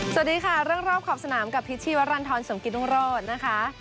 สวัสดีค่ะเรื่องรอบขอบสนามกับพิษชีวรรณฑรสมกิตรุงโรธนะคะ